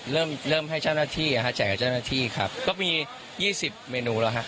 เริ่มเริ่มให้เจ้าหน้าที่แจกกับเจ้าหน้าที่ครับก็มียี่สิบเมนูแล้วฮะ